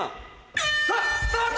さぁ！スタート。